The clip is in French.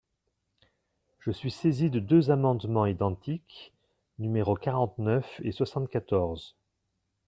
Je suis saisi de deux amendements identiques, numéros quarante-neuf et soixante-quatorze.